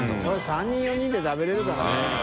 ３人４人で食べれるからね。